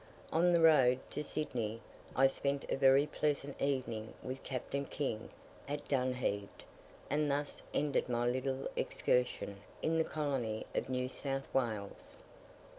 On the road to Sydney I spent a very pleasant evening with Captain King at Dunheved; and thus ended my little excursion in the colony of New South Wales.